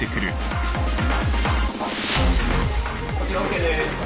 こちらＯＫです。